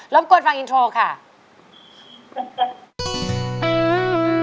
บกวนฟังอินโทรค่ะ